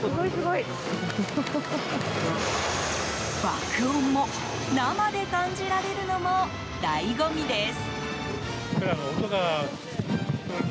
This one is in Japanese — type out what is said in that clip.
爆音も生で感じられるのも醍醐味です。